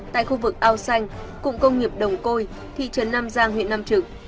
tại khu vực ao xanh cụng công nghiệp đồng côi thị trấn nam giang huyện nam trực